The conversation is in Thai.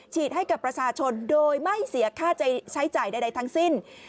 ให้กับประชาชนโดยไม่เสียค่าใช้จ่ายใดทั้งสิ้น